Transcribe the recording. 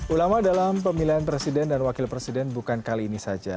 ulama dalam pemilihan presiden dan wakil presiden bukan kali ini saja